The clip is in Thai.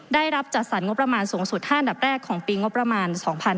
ได้รับจัดสรรงบประมาณสูงสุด๕อันดับแรกของปีงบประมาณ๒๕๕๙